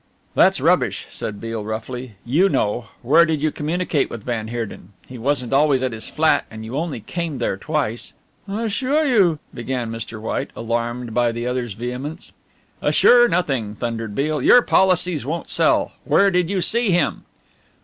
"That's rubbish," said Beale roughly, "you know. Where did you communicate with van Heerden? He wasn't always at his flat and you only came there twice." "I assure you " began Mr. White, alarmed by the other's vehemence. "Assure nothing," thundered Beale, "your policies won't sell where did you see him?"